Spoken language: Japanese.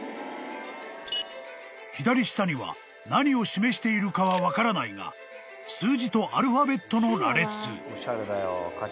［左下には何を示しているかは分からないが数字とアルファベットの羅列］